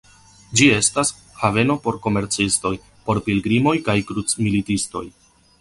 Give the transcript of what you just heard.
Ĝi estis haveno por komercistoj, por pilgrimoj kaj krucmilitistoj.